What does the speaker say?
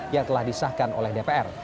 yang telah disahkan oleh dpr